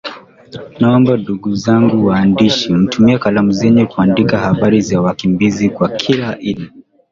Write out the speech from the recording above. Naomba ndugu zangu waandishi mtumie kalamu zenu kuandika habari za wakimbizi kwa kina ili